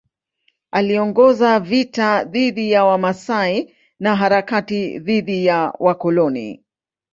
Aliongoza vita dhidi ya Wamasai na harakati dhidi ya wakoloni.